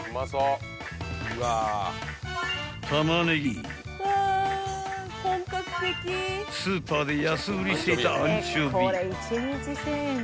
［タマネギスーパーで安売りしていたアンチョビ］